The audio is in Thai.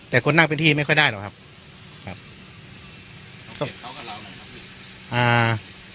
แต่คนนั่งเป็นที่ไม่ค่อยได้หรอกครับครับเขาเก็บเขากับเราไงครับพี่อ่า